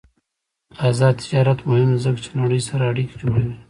آزاد تجارت مهم دی ځکه چې نړۍ سره اړیکې جوړوي.